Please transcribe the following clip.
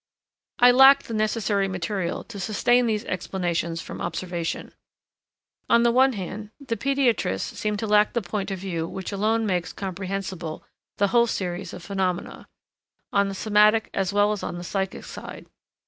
I lack the necessary material to sustain these explanations from observation. On the other hand, the pediatrists seem to lack the point of view which alone makes comprehensible the whole series of phenomena, on the somatic as well as on the psychic side.